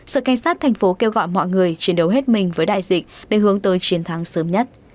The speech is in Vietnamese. sở cảnh sát thành phố kêu gọi mọi người chiến đấu hết mình với đại dịch để hướng tới chiến thắng sớm nhất